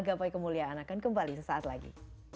gapai kemuliaan akan kembali sesaat lagi